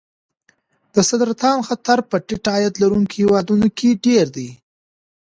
د سرطان خطر په ټیټ عاید لرونکو هېوادونو کې ډېر دی.